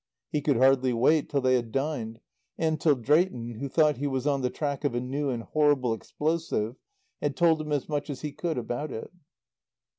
He could hardly wait till they had dined, and till Drayton, who thought he was on the track of a new and horrible explosive, had told him as much as he could about it.